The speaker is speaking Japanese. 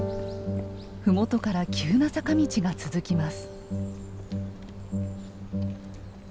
麓から急な坂道が続きます。